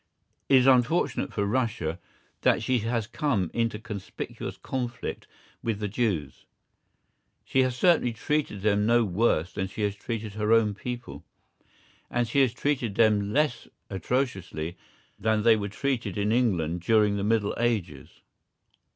It is unfortunate for Russia that she has come into conspicuous conflict with the Jews. She has certainly treated them no worse than she has treated her own people, and she has treated them less atrociously than they were treated in England during the Middle Ages.